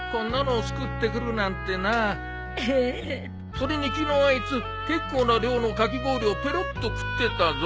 それに昨日あいつ結構な量のかき氷をペロッと食ってたぞ。